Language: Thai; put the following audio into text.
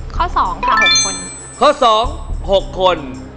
ข้อ๒ค่ะ๖คน